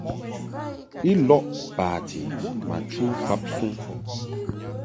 I lɔʼ bati ma chu fabsuŋ.